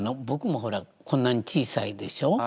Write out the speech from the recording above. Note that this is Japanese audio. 僕もほらこんなに小さいでしょ。